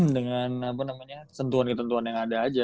dengan apa namanya sentuhan ketentuan yang ada aja